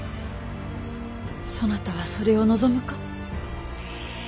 そなたはそれを望むか。